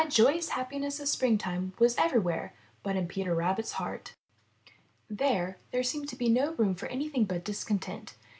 375 MY BOOK HOUSE joyous happiness of springtime, was everywhere but in Peter Rabbit's heart. There, there seemed to be no room for anything but discontent.